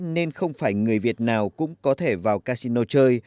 nên không phải người việt nào cũng có thể vào casino chơi